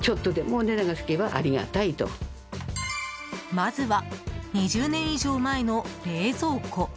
まずは、２０年以上前の冷蔵庫。